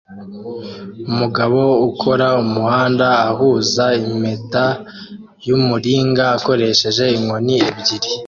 Umugabo ukora umuhanda ahuza impeta y'umuringa akoresheje inkoni ebyiri